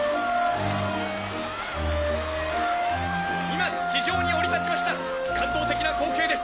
今地上に降り立ちました感動的な光景です。